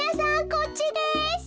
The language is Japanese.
こっちです。